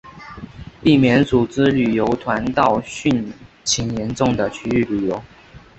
避免组织旅游团到汛情严重的区域旅游